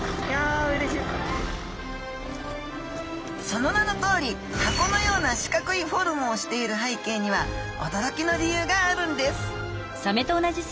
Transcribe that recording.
その名のとおり箱のような四角いフォルムをしている背景にはおどろきの理由があるんです！